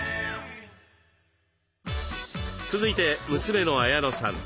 続いて娘の絢乃さん。